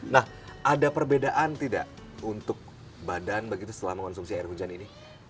nah ada perbedaan tidak untuk badan begitu setelah mengonsumsi air hujan ini